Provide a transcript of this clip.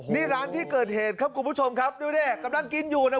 นี่ร้านที่เกิดเหตุครับคุณผู้ชมครับดูดิกำลังกินอยู่นะ